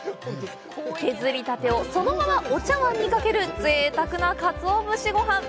削りたてをそのままお茶わんにかけるぜいたくなかつお節ごはん！